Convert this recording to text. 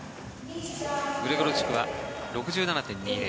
グレゴルチュクは６７．２０。